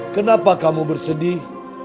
kenapa kamu bersedih